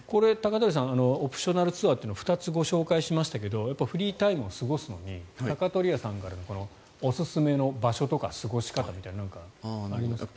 鷹鳥屋さんオプショナルツアーというのは２つご紹介しましたがフリータイムを過ごすのに鷹鳥屋さんからのおすすめの場所とか過ごし方みたいなのは何かありますか？